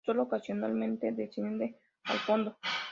Solo ocasionalmente descienden al fondo.